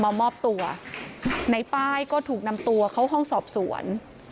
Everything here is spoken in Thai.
มามอบตัวในป้ายก็ถูกนำตัวเข้าห้องสอบสวน